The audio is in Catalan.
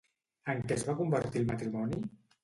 En què es va convertir el matrimoni?